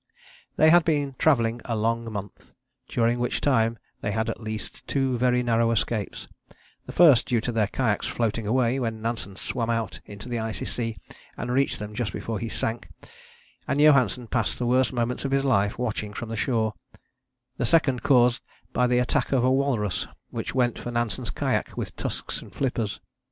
They had been travelling a long month, during which time they had at least two very narrow escapes the first due to their kayaks floating away, when Nansen swam out into the icy sea and reached them just before he sank, and Johansen passed the worst moments of his life watching from the shore; the second caused by the attack of a walrus which went for Nansen's kayak with tusks and flippers.